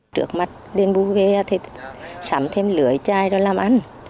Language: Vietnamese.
trước mắt đền bù về thì sắm thêm lưỡi chai rồi làm ăn